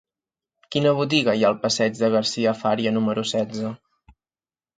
Quina botiga hi ha al passeig de Garcia Fària número setze?